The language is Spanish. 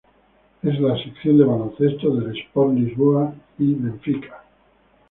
Es la sección de baloncesto del Sport Lisboa e Benfica.